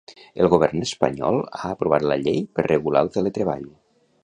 El Govern espanyol ha aprovat la llei per regular el teletreball.